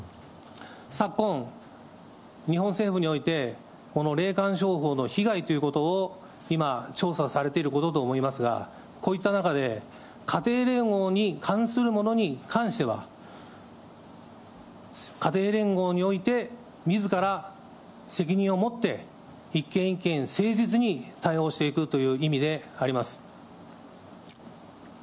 昨今、日本政府において、この霊感商法の被害ということを、今、調査されていることと思いますが、こういった中で、家庭連合に関するものに関しては、家庭連合においてみずから責任を持って、一件一件誠実に対応していくという意味であります。